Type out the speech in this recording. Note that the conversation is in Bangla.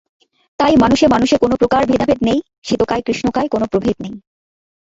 তাই মানুষে মানুষে কোনো প্রকার ভেদাভেদ নেই, শ্বেতকায়-কৃষ্ণকায় কোনো প্রভেদ নেই।